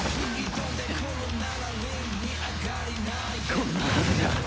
こんなはずじゃ！